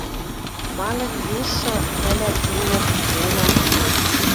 Малын южшы ӹлӓт улын, волян